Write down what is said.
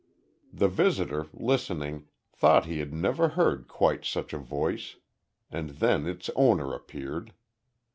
The visitor, listening, thought he had never heard quite such a voice. And then its owner appeared.